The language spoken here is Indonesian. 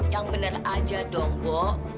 yang bener aja dong bu